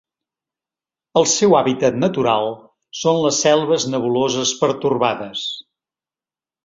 El seu hàbitat natural són les selves nebuloses pertorbades.